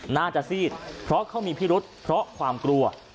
น่าจะซีดเพราะเขามีพิรุษเพราะความกลัว